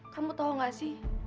kamu tau gak sih